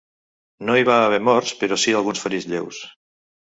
No hi va haver morts, però sí alguns ferits lleus.